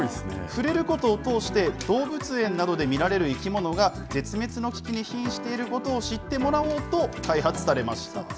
触れることを通して、動物園などで見られる生き物が絶滅の危機にひんしていることを知ってもらおうと、開発されました。